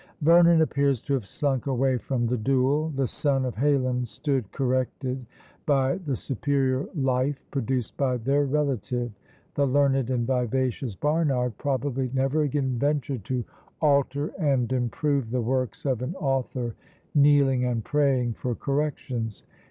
Vernon appears to have slunk away from the duel. The son of Heylin stood corrected by the superior Life produced by their relative; the learned and vivacious Barnard probably never again ventured to alter and improve the works of an author kneeling and praying for corrections.